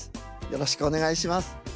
よろしくお願いします。